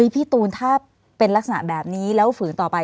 พี่ตูนถ้าเป็นลักษณะแบบนี้แล้วฝืนต่อไป